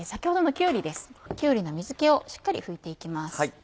きゅうりの水気をしっかり拭いて行きます。